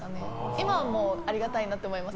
今はありがたいなって思います。